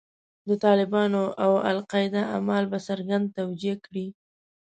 د طالبانو او القاعده اعمال به څرنګه توجیه کړې.